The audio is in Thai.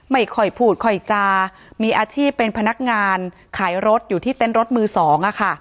ไม่ค่อยพูดค่อยจามีอาชีพเป็นพนักงานขายรถอยู่ที่เต้นรถมือสองอ่ะค่ะ